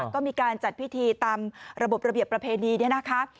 ก็มีการจัดพิธีตามระบบระเบียบประเพณีเนี่ยนะคะ